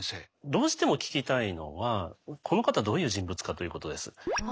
どうしても聞きたいのはこの方どういう人物かということです。